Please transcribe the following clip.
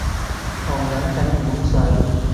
狂飲緊檸檬水